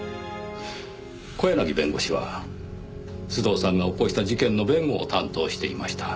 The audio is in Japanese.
小柳弁護士は須藤さんが起こした事件の弁護を担当していました。